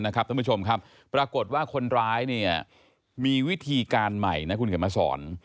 ท่านผู้ชมครับปรากฏว่าคนร้ายมีวิธีการใหม่นะคุณเขียนมาสอน